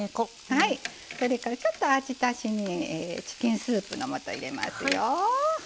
それからちょっと味足しにチキンスープの素入れますよ。